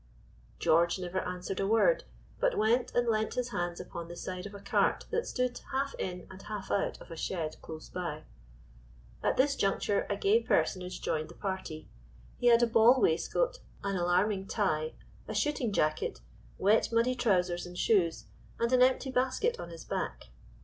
George never answered a word, but went and leaned his head upon the side of a cart that stood half in and half out of a shed close by. At this juncture a gay personage joined the party. He had a ball waistcoat, as alarming tie, a shooting jacket, wet muddy trousers and shoes, and an empty basket on his back.